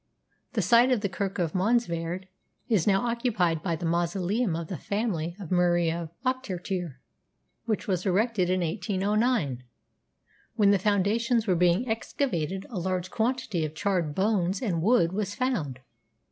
The site of the Kirk of Monzievaird is now occupied by the mausoleum of the family of Murray of Ochtertyre, which was erected in 1809. When the foundations were being excavated a large quantity of charred bones and wood was found.